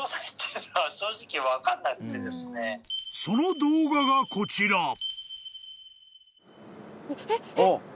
［その動画がこちら］